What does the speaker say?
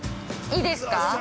◆いいですか？